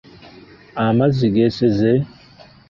Amazzi geeseze?